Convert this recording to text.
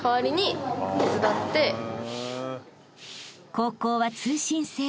［高校は通信制］